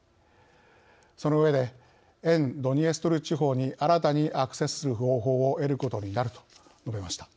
その上で「沿ドニエストル地方に新たにアクセスする方法を得ることになる」と述べました。